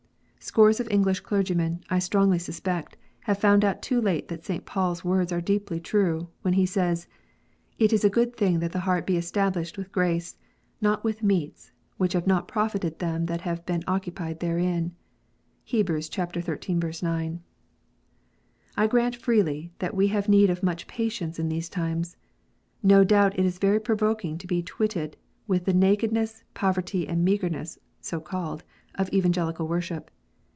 Scores of English clergymen, I strongly suspect, have found out too late that St. Paul s words are deeply true, when he says, " It is a good thing that the heart be established with grace ; not with meats, which have not profited them that have been occupied therein." (Heb. xiii. 9.) I grant freely that we have need of much patience in these times. No doubt it is very provoking to be twitted with the naked ness, poverty, and meagreness (so called) of Evangelical worship.